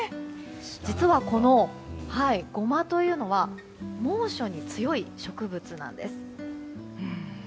実はこのゴマというのは猛暑に強い植物なんです。